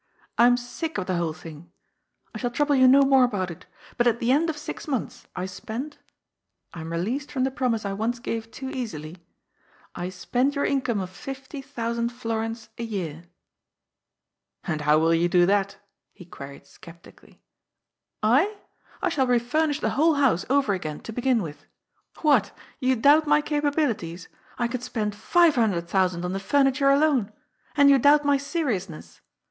I am sick of the whole thing. I shall trouble you no more about it. But at the end of six months I spend — I am released from the promise I once gave too easily — I spend your income of fifty thousand florins a year." 298 GOD'S FOOL. ^ And how will you do that? " he queried sceptically. *^ I ? I shall refamish the whole house over again, to begin with. What ! You doubt my capabilities ? I could spend five hundred thousand on the furniture alone ! And you doubt my seriousness